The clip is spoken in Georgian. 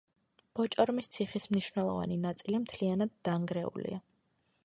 ბოჭორმის ციხის მნიშვნელოვანი ნაწილი მთლიანად დანგრეულია.